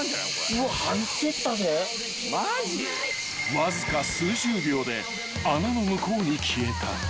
［わずか数十秒で穴の向こうに］